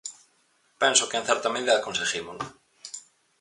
Penso que, en certa medida, conseguímolo.